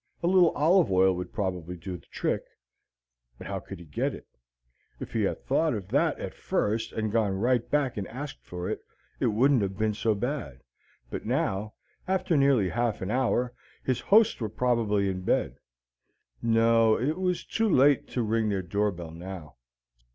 A little olive oil would probably do the trick, but how could he get it? If he had thought of that at first and gone right back and asked for it, it wouldn't have been so bad; but now, after nearly half an hour, his hosts were probably in bed. No, it was too late to ring their door bell now.